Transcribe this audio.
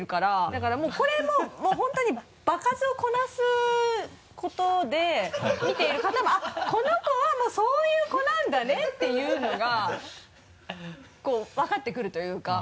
だからもうこれも本当に場数をこなすことで見ている方も「あっこの子はもうそういう子なんだね」っていうのがこう分かってくるというか。